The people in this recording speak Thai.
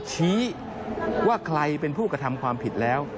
ชี้ว่าใครเป็นผู้กระทำความผิดแล้ว